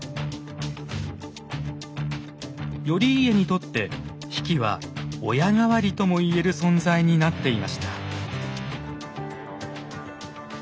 頼家にとって比企は親代わりとも言える存在になっていました。